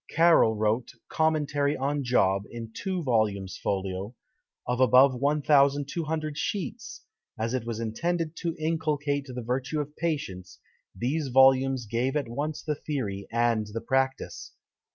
Caryl wrote a "Commentary on Job" in two volumes folio, of above one thousand two hundred sheets! as it was intended to inculcate the virtue of patience, these volumes gave at once the theory and the practice.